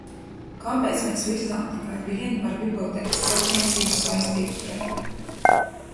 Kāpēc mēs virzām tikai vienu ar bibliotēkas celtniecību saistītu projektu?